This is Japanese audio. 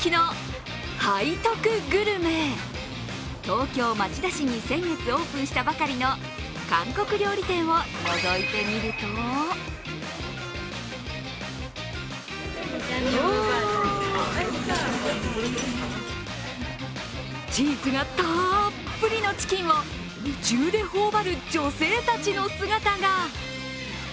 東京・町田市に先月オープンしたばかりの韓国料理店をのぞいてみるとチーズがたっぷりのチキンを夢中で頬張る女性たちの姿が。